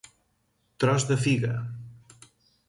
Tros de figa.